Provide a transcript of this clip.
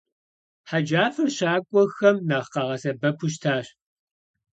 Хъэджафэр щакӀуэхэм нэхъ къагъэсэбэпу щытащ.